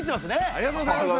ありがとうございます。